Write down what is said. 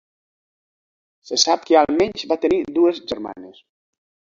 Se sap que almenys va tenir dues germanes.